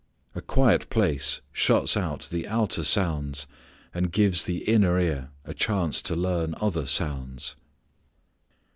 A quiet place shuts out the outer sounds, and gives the inner ear a chance to learn other sounds.